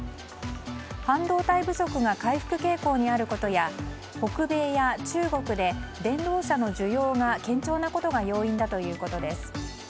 半導体不足が回復傾向にあることや北米や中国で電動車の需要が堅調なことが要因だということです。